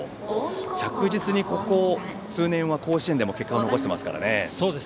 着実に、ここ数年は甲子園でも結果を残してますからね。